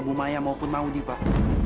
bumaya maupun maudi pak